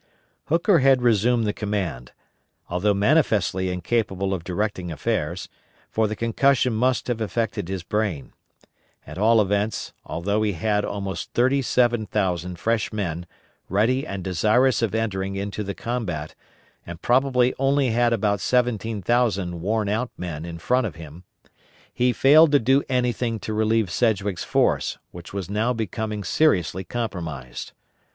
Hooker had resumed the command, although manifestly incapable of directing affairs; for the concussion must have affected his brain. At all events, although he had almost thirty seven thousand fresh men, ready and desirous of entering into the combat, and probably only had about seventeen thousand worn out men in front of him, he failed to do anything to relieve Sedgwick's force, which was now becoming seriously compromised.